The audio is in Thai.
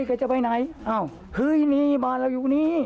ถ้าจะไปไหนฮ่ยเนี่ยอีบ้านเรายูนี้